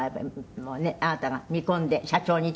もうね、あなたが見込んで社長にって。